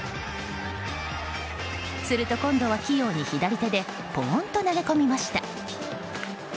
すると、今度は器用に左手でポーンと投げ込みました。